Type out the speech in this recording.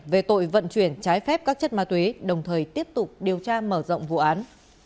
về tội vận chuyển trái phép các chất ma túy đồng thời tiếp tục điều tra mở rộng vụ án